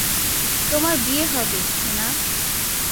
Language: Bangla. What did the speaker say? তোমার বিয়ে হবে, সোনা।